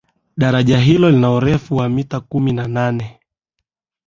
daraja hilo lina urefu wa mita kumi na nane